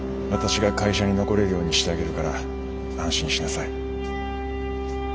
私が会社に残れるようにしてあげるから安心しなさい。